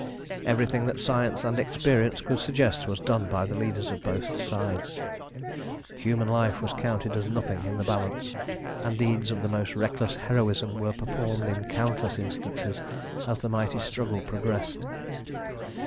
Everything that science and experience could suggest was done by the leaders of both sides. Human life was counted as nothing in the balance, and deeds of the most reckless heroism were performed in countless instances as the mighty struggle progressed.